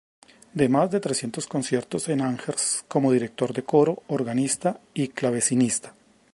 Da más de trescientos conciertos en Angers como director de coro, organista y clavecinista.